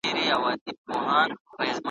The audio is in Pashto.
د ریا پر خلوتونو به یرغل وي `